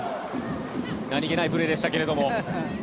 何げないプレーでしたけど。